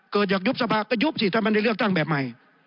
อยากยุบสภาก็ยุบสิถ้ามันได้เลือกตั้งแบบใหม่